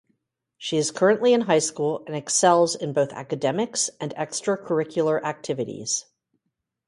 She is currently in high school and excels in both academics and extracurricular activities.